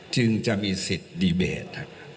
จึงจะมีสิทธิ์ดีเบต